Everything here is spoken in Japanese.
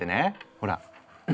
ほら。